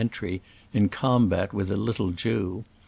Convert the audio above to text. entry, in combat with a little Jew.